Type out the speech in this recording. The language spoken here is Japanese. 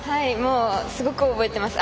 すごく覚えてます。